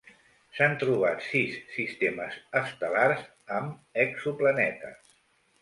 S'han trobat sis sistemes estel·lars amb exoplanetes.